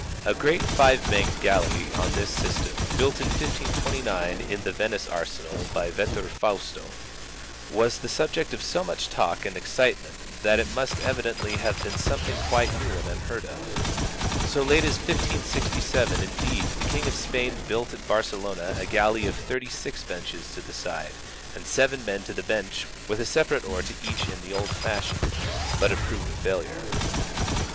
A great five banked galley on this system, built in 1529 in the Venice Arsenal by Vettor Fausto, was the subject of so much talk and excitement, that it must evidently have been something quite new and unheard off So late as 1567 indeed the King of Spain built at Barcelona a galley of thirty six benches to the side, and seven men to the bench, with a separate oar to each in the old fashion. But it proved a failure.